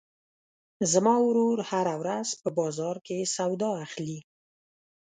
زما ورور هره ورځ په بازار کې سودا اخلي.